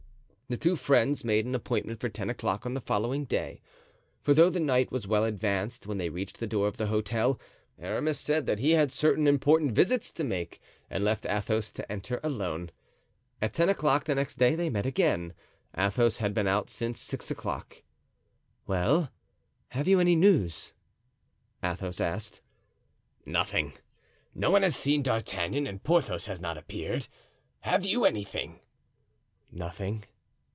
The two friends made an appointment for ten o'clock on the following day; for though the night was well advanced when they reached the door of the hotel, Aramis said that he had certain important visits to make and left Athos to enter alone. At ten o'clock the next day they met again. Athos had been out since six o'clock. "Well, have you any news?" Athos asked. "Nothing. No one has seen D'Artagnan and Porthos has not appeared. Have you anything?" "Nothing."